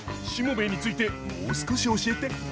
しもべえについてもう少し教えて。